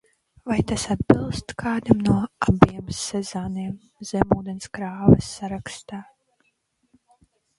Vai tas atbilst kādam no abiem Sezaniem zemūdenes kravas sarakstā?